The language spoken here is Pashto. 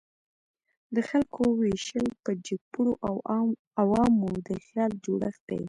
د خلکو ویشل په جګپوړو او عوامو د خیال جوړښت دی.